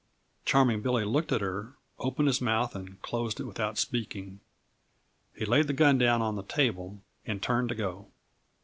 Charming Billy looked at her, opened his mouth and closed it without speaking. He laid the gun down on the table and turned to go.